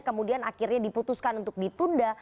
kemudian akhirnya diputuskan untuk ditunda